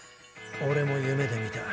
オレも夢で見た。